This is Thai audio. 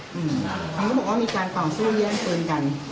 คุณบอกว่ามีการต่อสู้เลี่ยงปืนกัน